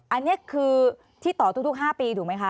อันนี้คือที่ต่อทุก๕ปีถูกไหมคะ